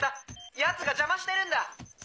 奴が邪魔してるんだ！